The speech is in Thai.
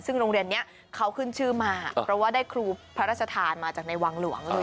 ซึ่งโรงเรียนนี้เขาขึ้นชื่อมาเพราะว่าได้ครูพระราชทานมาจากในวังหลวงเลย